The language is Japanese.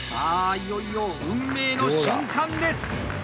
いよいよ運命の瞬間です！